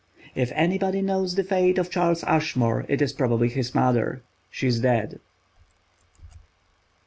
If anybody knows the fate of Charles Ashmore it is probably his mother. She is dead.